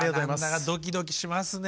何だかドキドキしますね。